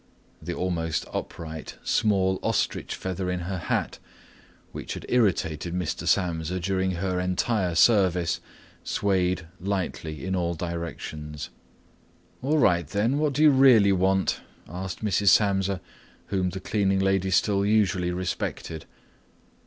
The almost upright small ostrich feather in her hat, which had irritated Mr. Samsa during her entire service, swayed lightly in all directions. "All right then, what do you really want?" asked Mrs. Samsa, whom the cleaning lady still usually respected.